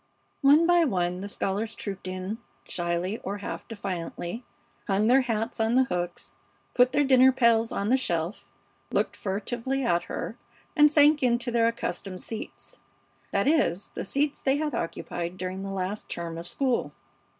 One by one the scholars trooped in, shyly or half defiantly, hung their hats on the hooks, put their dinner pails on the shelf, looked furtively at her, and sank into their accustomed seats; that is, the seats they had occupied during the last term of school.